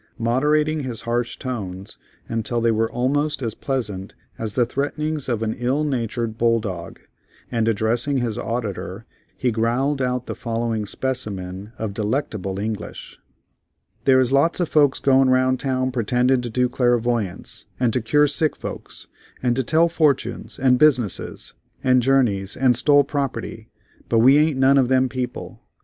Moderating his harsh tones until they were almost as pleasant as the threatenings of an ill natured bull dog, and addressing his auditor, he growled out the following specimen of delectable English: "There is lots of folks goin' round town pretendin' to do clairvoyance, and to cure sick folks, and to tell fortunes, and business, and journeys, and stole property; but we ain't none of them people.